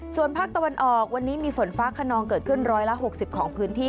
ส่วนภาคตะวันออกวันนี้มีฝนฟ้าขนองเกิดขึ้น๑๖๐ของพื้นที่